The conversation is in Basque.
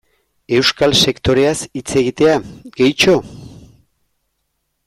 Euskal sektoreaz hitz egitea, gehitxo?